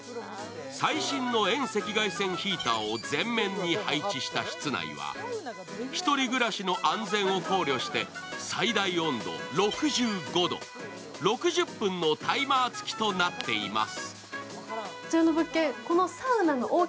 最新の遠赤外線ヒーターを全面に配置した室内は１人暮らしの安全を考慮して最大温度６５度、６０分のタイマー付きとなっています。